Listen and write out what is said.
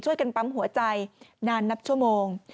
ช่วยกันปั๊มหัวใจนานนับชั่วโมง